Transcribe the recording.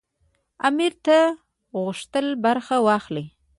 امیر نه غوښتل برخه واخلي.